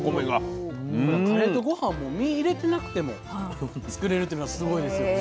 カレーと御飯も身入れてなくても作れるというのはすごいですよね。